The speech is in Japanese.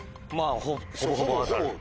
ほぼほぼ当たる。